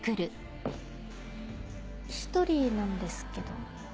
１人なんですけど。